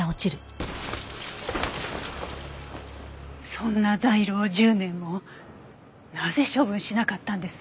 そんなザイルを１０年もなぜ処分しなかったんです？